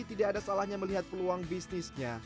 tidak ada salahnya melihat peluang bisnisnya